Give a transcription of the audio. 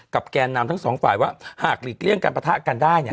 แกนนำทั้งสองฝ่ายว่าหากหลีกเลี่ยงการประทะกันได้เนี่ย